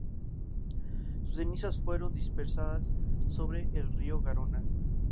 Sus cenizas fueron dispersadas sobre el río Garona.